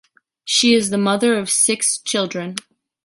She is the mother of six children.